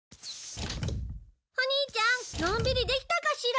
お兄ちゃんのんびりできたかしら？